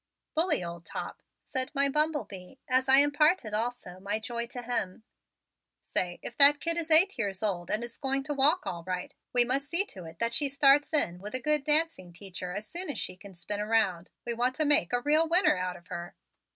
"Bully, old top," said my Bumble Bee as I imparted also my joy to him. "Say, if that kid is eight years old and is going to walk all right, we must see to it that she starts in with a good dancing teacher as soon as she can spin around. We want to make a real winner out of her."